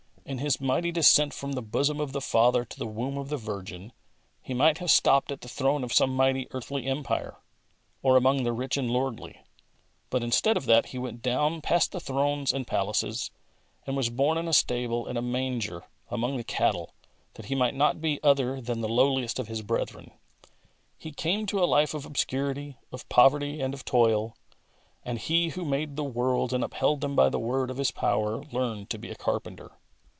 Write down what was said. In His mighty descent from the bosom of the Father to the womb of the Virgin, He might have stopped at the throne of some mighty earthly empire, or among the rich and lordly ; but instead of that He went down past thrones and palaces, and was born in a stable in a manger among the cattle, that He might not be other than the lowliest of His brethren. He came to a life of obscurity, of poverty and of toil, and He who made the worlds and upheld them by the word of His power, learned to be a carpenter.